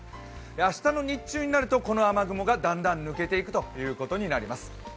明日の日中になると、この雨雲がだんだん抜けていくということになります。